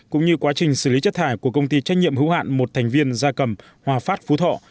cũng như quá trình xử lý chất thải của công ty trách nhiệm hữu hạn một thành viên gia cầm hòa phát phú thọ